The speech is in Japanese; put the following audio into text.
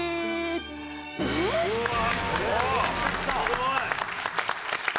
すごい。